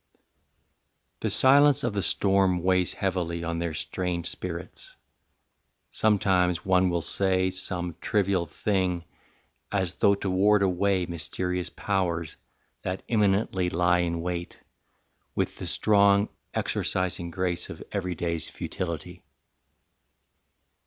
VII. The silence of the storm weighs heavily On their strained spirits: sometimes one will say Some trivial thing as though to ward away Mysterious powers, that imminently lie In wait, with the strong exorcising grace Of everyday's futility.